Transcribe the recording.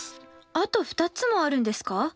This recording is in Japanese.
あと２つもあるんですか。